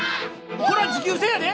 こら持久戦やで！